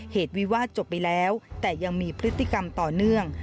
เหตุวิวาสจบไปแล้วแต่ยังมีพฤติกรรมต่อเนื่อง